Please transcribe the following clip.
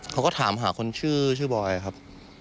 เขาก็ถามหาคนชื่อบอยครับ